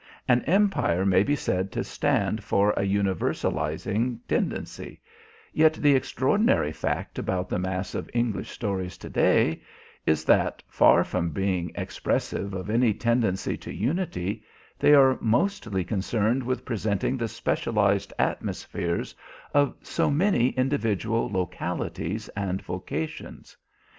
An Empire may be said to stand for a universalizing tendency, yet the extraordinary fact about the mass of English stories today is that, far from being expressive of any tendency to unity, they are mostly concerned with presenting the specialized atmospheres of so many individual localities and vocations.